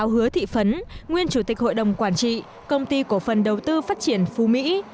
hứa thị phấn nguyên chủ tịch hội đồng quản trị công ty cổ phần đầu tư phát triển phú mỹ